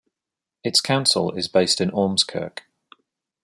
Its council is based in Ormskirk.